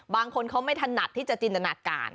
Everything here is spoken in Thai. บางคนเขาไม่ถนัดที่จะจินตนาการ